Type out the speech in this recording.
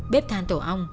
bếp than tổ ong